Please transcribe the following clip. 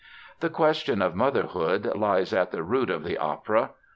The question of motherhood lies at the root of the opera.